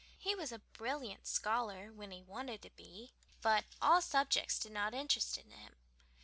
He was a brilliant scholar when he wanted to be, but all subjects did not interest him.